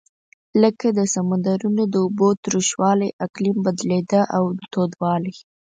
لکه د سمندرونو د اوبو تروش والۍ اقلیم بدلېده او تودوالی.